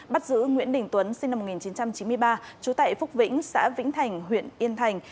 bắt giữ nguyễn đình tuấn sinh năm một nghìn chín trăm chín mươi ba trú tại phúc vĩnh xã vĩnh thành huyện yên thành